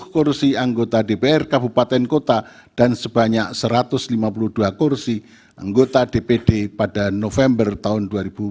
kursi anggota dpr kabupaten kota dan sebanyak satu ratus lima puluh dua kursi anggota dpd pada november tahun dua ribu dua puluh